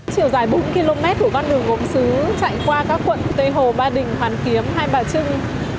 chiều dài bốn km của con đường gốm xứ chạy qua các quận tây hồ ba đình hoàn kiếm hai bà trưng